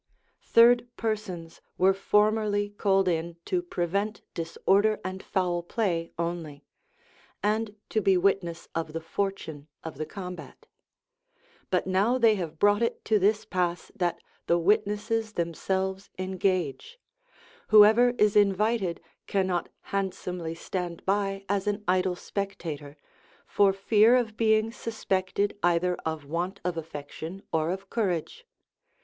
Third persons were formerly called in to prevent disorder and foul play only, and to be witness of the fortune of the combat; but now they have brought it to this pass that the witnesses themselves engage; whoever is invited cannot handsomely stand by as an idle spectator, for fear of being suspected either of want of affection or of courage.